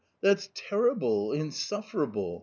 — that's terrible, insufferable